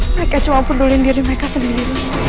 mereka cuma peduli diri mereka sendiri